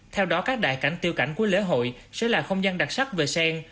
theo đó các đại cảnh tiêu cảnh cuối lễ hội sẽ là không gian đặc sắc về sen